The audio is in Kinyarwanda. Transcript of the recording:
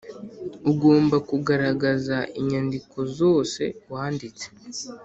ugomba kugaragaza inyandikozose wanditse